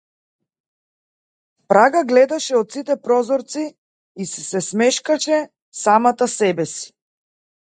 Прага гледаше од сите прозорци и си се смешкаше самата себеси.